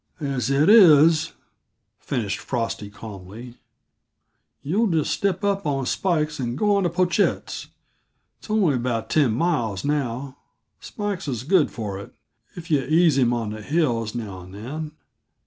"As it is," finished Frosty calmly, "you'll just step up on Spikes and go on to Pochette's. It's only about ten miles, now; Spikes is good for it, if you ease him on the hills now and then.